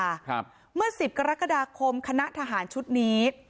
ครับเมื่อสิบกรกฎาคมคณะทหารชุดนี้